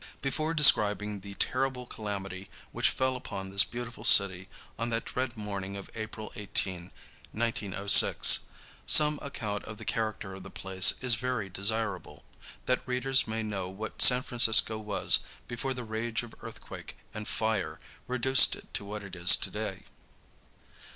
Before describing the terrible calamity which fell upon this beautiful city on that dread morning of April 18, 1906, some account of the character of the place is very desirable, that readers may know what San Francisco was before the rage of earthquake and fire reduced it to what it is to day.